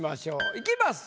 いきます。